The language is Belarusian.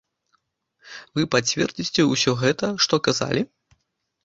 Вы пацвердзіце ўсё гэта, што казалі?